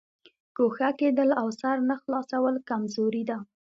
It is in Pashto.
ګوښه کېدل او سر نه خلاصول کمزوري ده.